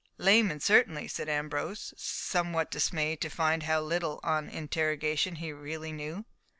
"Layman, certainly," said Ambrose, somewhat dismayed to find how little, on interrogation, he really knew.